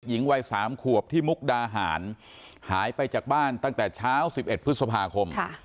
หญิงวัย๓ขวบที่มุกดาหารหายไปจากบ้านตั้งแต่เช้า๑๑พฤษภาคม